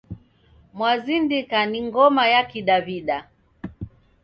Mwazindika ni ngoma ya kidawida